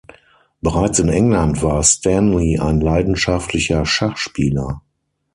Bereits in England war Stanley ein leidenschaftlicher Schachspieler.